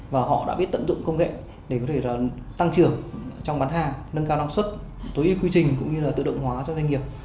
và họ đã biết tận dụng công nghệ để có thể tăng trưởng trong bán hàng nâng cao năng suất tối ưu quy trình cũng như là tự động hóa cho doanh nghiệp